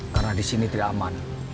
karena di sini tidak aman